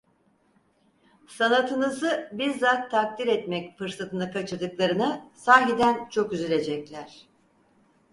Sanatınızı bizzat takdir etmek fırsatını kaçırdıklarına sahiden çok üzülecekler.